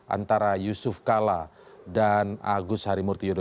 antara yusuf kala dan agus harimurti yudhoyo